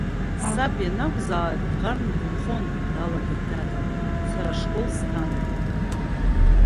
Саб ианакәзаалак дӷарны дынхон, далагеит Даҭа, сара ашкол сҭан.